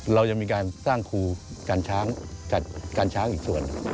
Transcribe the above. เรายังมีการสร้างครูกันช้างอีกส่วน